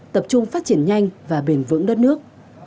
tập trung phát triển nhanh và bền vững đất nước